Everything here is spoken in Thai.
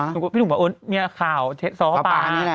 หนูก็พี่หนุ่มว่านี่ข่าวซ้อปลา